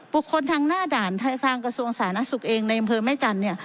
บุคลทางหน้าด่านทางกระทรวงศาลนักศึกเองในบริเวณแม่จันทร์